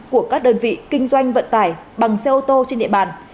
của các đơn vị kinh doanh vận tải bằng xe ô tô trên địa bàn